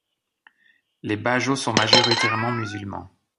Les Bajau sont majoritairement musulmans.